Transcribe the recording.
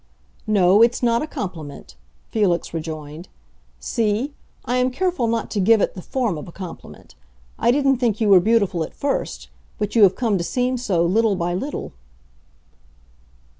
"No, it's not a compliment," Felix rejoined. "See; I am careful not to give it the form of a compliment. I didn't think you were beautiful at first. But you have come to seem so little by little."